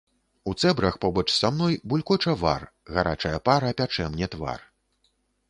У цэбрах побач са мной булькоча вар, гарачая пара пячэ мне твар.